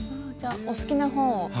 じゃあお好きな方を？